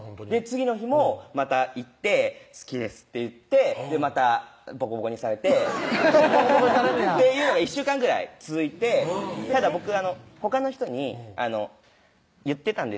次の日もまた行って「好きです」って言ってまたボコボコにされてボコボコにされんねやっていうのが１週間ぐらい続いてただ僕ほかの人に言ってたんですよ